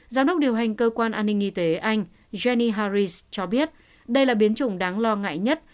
giám đốc điều hành cơ quan an ninh y tế anh jeni harris cho biết đây là biến chủng đáng lo ngại nhất